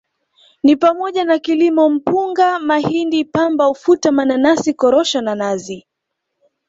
Ni pamoja na kilimo Mpunga Mahindi Pamba Ufuta Mananasi Korosho na Nazi